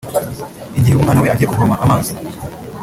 Igihe umwana we agiye kuvoma amazi